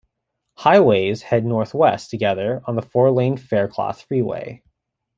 Highways head northwest together on the four-lane Faircloth Freeway.